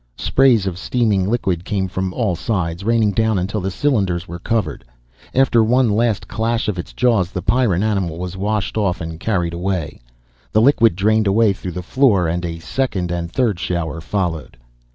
Sprays of steaming liquid came from all sides, raining down until the cylinders were covered. After one last clash of its jaws, the Pyrran animal was washed off and carried away. The liquid drained away through the floor and a second and third shower followed.